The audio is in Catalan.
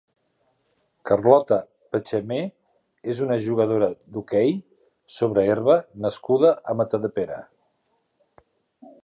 Carlota Petchamé és una jugadora d'hoquei sobre herba nascuda a Matadepera.